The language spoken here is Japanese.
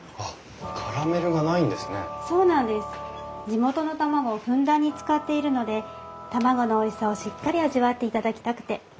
地元の卵をふんだんに使っているので卵のおいしさをしっかり味わっていただきたくて。